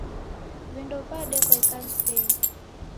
Vindo vadekwa ikanisenyi